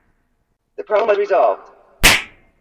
The problem was resolved.